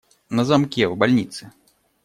На замке, в больнице.